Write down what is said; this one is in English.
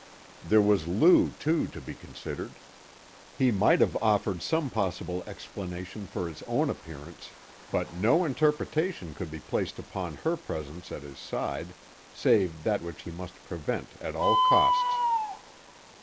There was Lou, too, to be considered. He might have offered some possible explanation for his own appearance, but no interpretation could be placed upon her presence at his side save that which he must prevent at all costs.